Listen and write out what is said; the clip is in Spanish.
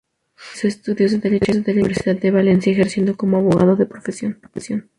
Realizó estudios de derecho en la Universidad de Valencia, ejerciendo como abogado de profesión.